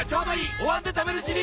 「お椀で食べるシリーズ」